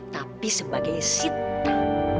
tapi sebagai sita